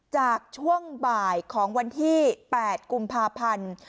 จากช่วงบ่ายของวันที่๘กุมภาพันธ์